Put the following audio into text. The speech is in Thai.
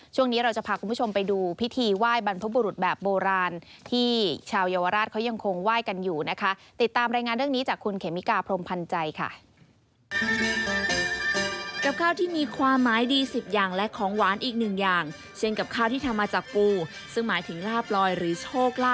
ช่วงนี้เราจะพาคุณผู้ชมไปดูพิธีไหว้บรรพบุรุษแบบโบราณที่ชาวยาวราชเขายังคงไหว้กันอยู่นะคะ